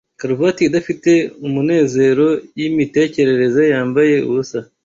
karuvati idafite umunezero Yimitekerereze yambaye ubusa,